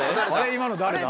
今の誰だ？